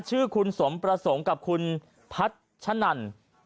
ชื่อคุณสมประสงค์กับคุณพัชนัน